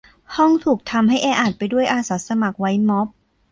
ห้องถูกทำให้แออัดไปด้วยอาสาสมัคร ไวด์ม๊อบ